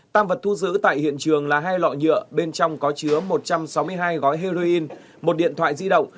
tăng vật thu giữ tại hiện trường là hai lọ nhựa bên trong có chứa một trăm sáu mươi hai gói heroin một điện thoại di động